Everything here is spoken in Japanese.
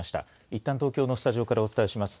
いったん、東京のスタジオからお伝えします。